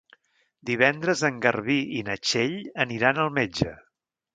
Divendres en Garbí i na Txell aniran al metge.